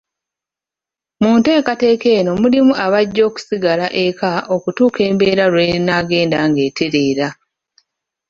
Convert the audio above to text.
Mu nteekateka eno mulimu abajja okusigala eka okutuuka embeera lw'enaagenda ng'etereera.